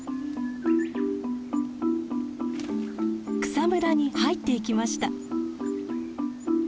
草むらに入っていきました。